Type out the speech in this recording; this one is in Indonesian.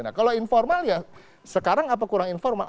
nah kalau informal ya sekarang apa kurang informal